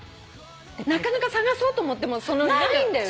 なかなか探そうと思ってもないんだよね。